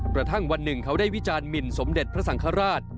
กระทั่งวันหนึ่งเขาได้วิจารณ์หมินสมเด็จพระสังฆราช